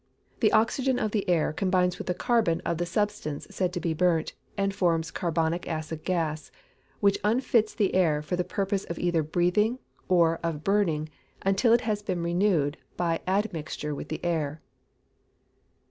The oxygen of the air combines with the carbon of the substance said to be burnt, and forms carbonic acid gas, which unfits the air for the purposes of either breathing or of burning, until it has been renewed by admixture with the air.